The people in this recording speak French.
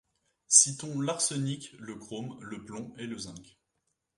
Citons l'arsenic, le chrome, le plomb et le zinc.